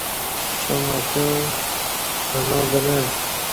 چام اتیوݩع انا برݩع